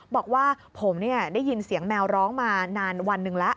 บอกว่าผมได้ยินเสียงแมวร้องมานานวันหนึ่งแล้ว